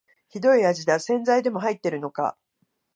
ひどい味だ、洗剤でも入ってるのか